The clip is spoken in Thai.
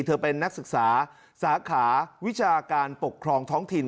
เธอเป็นนักศึกษาสาขาวิชาการปกครองท้องถิ่น